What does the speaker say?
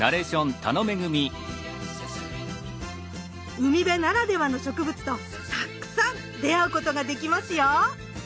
海辺ならではの植物とたくさん出会うことができますよ！